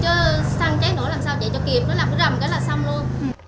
chứ săn cháy nổ làm sao chạy cho kịp nó làm cái rầm cái là xong luôn